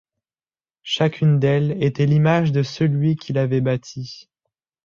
Chacune d’elles était l’image de celui qui l’avait bâtie.